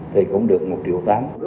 thì cũng được một triệu tám